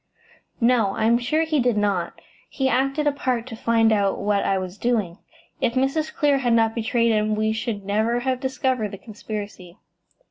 "No; I am sure he did not. He acted a part to find out what I was doing. If Mrs. Clear had not betrayed him we should never have discovered the conspiracy."